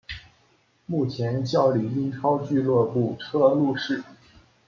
目前效力英超俱乐部车路士。